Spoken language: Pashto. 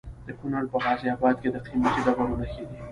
د کونړ په غازي اباد کې د قیمتي ډبرو نښې دي.